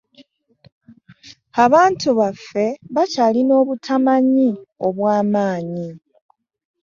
Abantu baffe bakyalina obutamanyi obw'amaanyi.